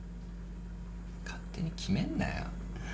勝手に決めんなよ。